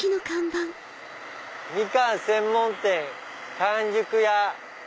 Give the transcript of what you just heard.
「みかん専門店柑熟屋」。